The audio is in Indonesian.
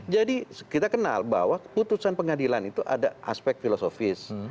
jadi kita kenal bahwa putusan pengadilan itu ada aspek filosofis